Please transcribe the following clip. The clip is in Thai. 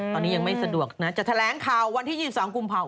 ตอนนี้ยังไม่สะดวกนะจะแถลงข่าววันที่๒๒กุมภาพ